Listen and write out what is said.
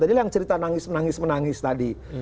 tadi lah yang cerita nangis menangis menangis tadi